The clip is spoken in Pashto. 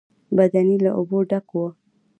بدنۍ له اوبو ډکه وه.